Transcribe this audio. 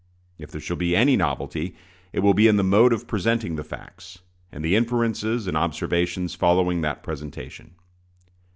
If there shall be any novelty, it will be in the mode of presenting the facts, and the inferences and observations following that presentation.